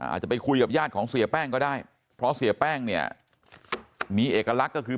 อาจจะไปคุยกับญาติของเสียแป้งก็ได้เพราะเสียแป้งเนี่ยมีเอกลักษณ์ก็คือ